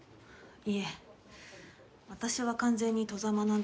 いえ私は完全に外様なんです。